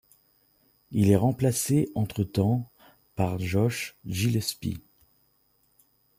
Il est remplacé entre-temps par Josh Gillespie.